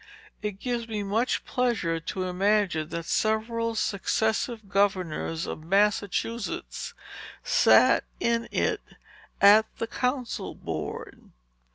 It gives me much pleasure to imagine, that several successive governors of Massachusetts sat in it at the council board."